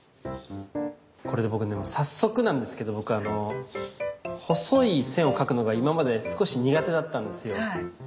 これでも早速なんですけど僕細い線を描くのが今まで少し苦手だったんですよ。